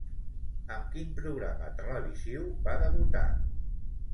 Amb quin programa televisiu va debutar?